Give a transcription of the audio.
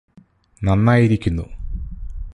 നന്നായിരിക്കുന്നു